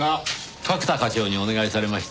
角田課長にお願いされまして。